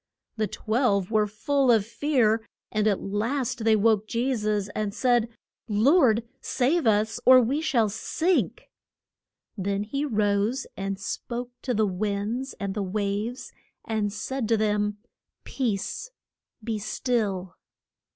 The twelve were full of fear; and at last they woke Je sus, and said, Lord, save us, or we shall sink. Then he rose and spoke to the winds and the waves, and said to them, Peace, be still.